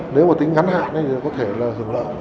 nếu mà tính ngắn hạn thì có thể là hưởng lợi